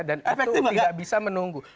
dan itu tidak bisa menunggu